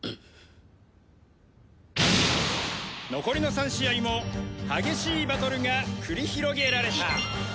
残りの３試合も激しいバトルが繰り広げられた。